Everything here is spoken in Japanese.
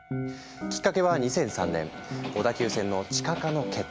きっかけは２００３年小田急線の地下化の決定。